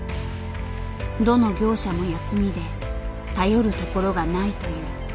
どの業者も休みで頼るところがないという。